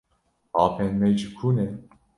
Apên me ji ku ne?